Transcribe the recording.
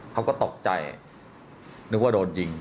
เขาก็ตกใจนึกว่าโดนยิง